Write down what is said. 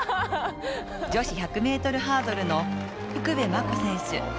女子１００ｍハードルの福部真子選手。